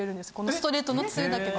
ストレートのつゆだけで。